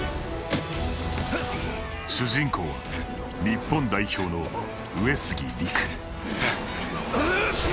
主人公は、日本代表の上杉陸。